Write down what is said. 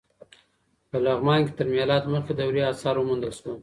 په لغمان کې تر میلاد مخکې دورې اثار وموندل شول.